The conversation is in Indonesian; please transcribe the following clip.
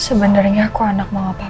sebenernya aku anak mama papa tau bukan sih